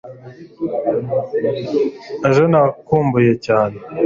ejo nakumbuye cyane